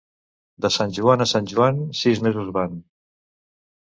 De Sant Joan a Sant Joan, sis mesos van.